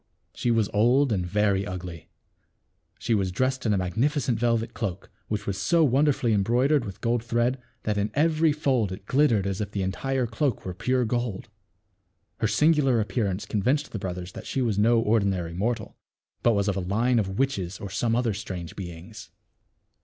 She was old and very ugly. She was dressed in a magnificent velvet cloak, which was so wonderfully embroidered with gold thread that in every fold it glittered as if the entire cloak were pure gold. Her singular appearance con vinced the brothers that she was no ordinary mortal; but was of a line of witches or some other strange beings.